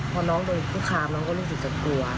พอน้องโดนคุกคามน้องก็รู้สึกจะกลัว